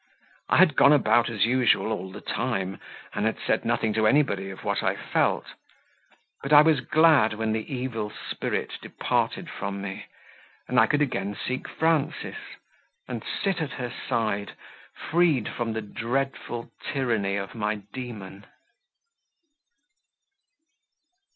I had gone about as usual all the time, and had said nothing to anybody of what I felt; but I was glad when the evil spirit departed from me, and I could again seek Frances, and sit at her side, freed from the dreadful tyranny of my demon.